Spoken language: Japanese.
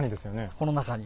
この中に。